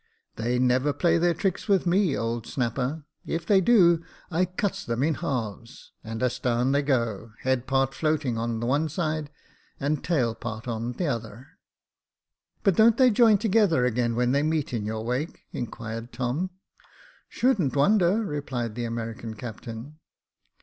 "They never play their tricks with me, old snapper; if they do, I cuts them in halves, and a starn they go, head part floating on one side, and tail part on the other." " But don't they join together again when they meet in your wake ?" inquired Tom. " Shouldn't wonder," replied the American captain.